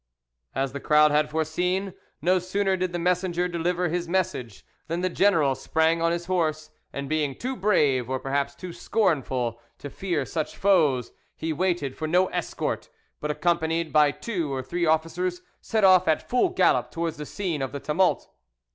As the crowd had foreseen, no sooner did the messenger deliver his message than the general sprang on his horse, and, being too brave, or perhaps too scornful, to fear such foes, he waited for no escort, but, accompanied by two or three officers, set off at full gallop towards the scene of the tumult.